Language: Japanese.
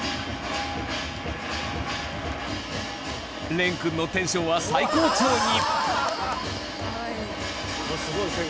錬くんのテンションは最高潮に！